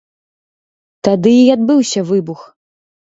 Тады і адбыўся выбух.